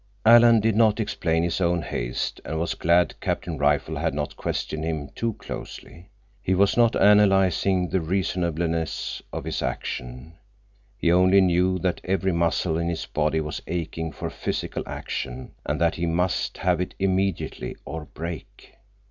Alan did not explain his own haste and was glad Captain Rifle had not questioned him too closely. He was not analyzing the reasonableness of his action. He only knew that every muscle in his body was aching for physical action and that he must have it immediately or break.